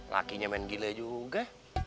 lakinya main gile juga